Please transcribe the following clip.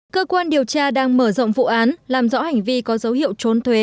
cơ quan điều tra đang mở rộng vụ án làm rõ hành vi có dấu hiệu trốn thuế